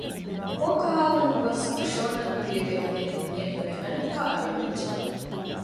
ބޯކަހާލަމުން ގޮސް އޮށޯންނަން ތިރިވެލިހެނެއް ހިޔެއްނުވެ އަނެއްކާ އަޑު އިވިއްޖެ